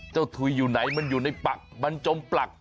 ถุยอยู่ไหนมันอยู่ในปักมันจมปลัก